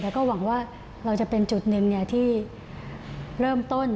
แล้วก็หวังว่าเราจะเป็นจุดหนึ่งที่เริ่มต้น